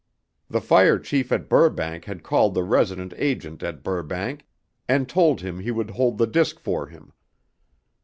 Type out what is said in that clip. The fire chief at Burbank had called the resident agent at Burbank and told him he would hold the disc for him.